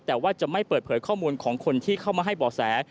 แต่ว่าจะไม่เปิดเผยข้อมูลของคนที่เข้ามาให้บ่อแส